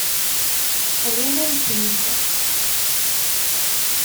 Rran-am-t-id.